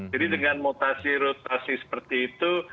jadi dengan mutasi rotasi seperti itu